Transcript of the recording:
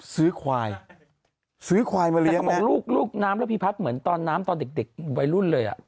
ซื้อควายซื้อควายมาเลี้ยงแม่ลูกน้ำระพีพัดเหมือนตอนน้ำตอนเด็กวัยรุ่นเลย